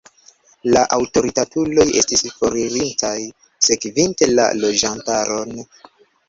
La aŭtoritatuloj estis foririntaj, sekvinte la loĝantaron.